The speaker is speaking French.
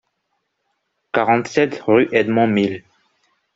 quarante-sept rue Edmond Mille